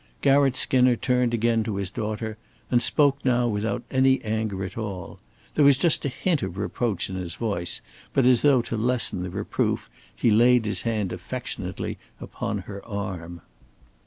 Garratt Skinner turned again to his daughter, and spoke now without any anger at all. There was just a hint of reproach in his voice, but as though to lessen the reproof he laid his hand affectionately upon her arm.